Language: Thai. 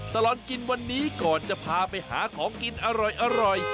ตลอดกินวันนี้ก่อนจะพาไปหาของกินอร่อย